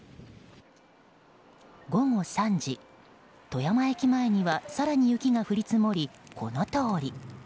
午後３時、富山駅前には更に雪が降り積もり、このとおり。